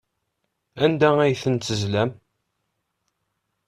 Anda ay ten-tezlam?